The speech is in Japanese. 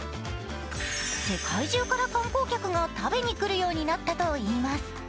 世界中から観光客が食べに来るようになったといいます。